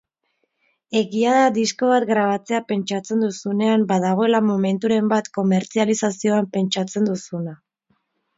Egia da disko bat grabatzea pentsatzen duzunean badagoela momenturen bat komertzializazioan pentsatzen duzuna.